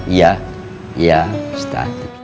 iya iya setatut